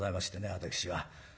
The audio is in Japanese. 私は。